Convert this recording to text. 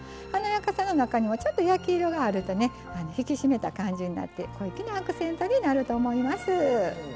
華やかさの中にもちょっと焼き色があるとね引き締めた感じになって小粋なアクセントになると思います。